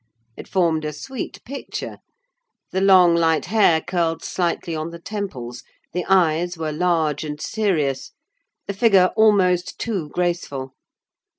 It formed a sweet picture. The long light hair curled slightly on the temples; the eyes were large and serious; the figure almost too graceful.